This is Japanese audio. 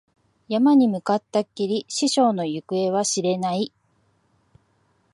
山に向かったきり、師匠の行方は知れない。